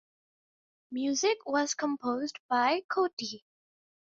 Music was composed by Koti.